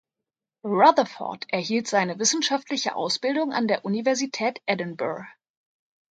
Rutherford erhielt seine wissenschaftliche Ausbildung an der Universität Edinburgh.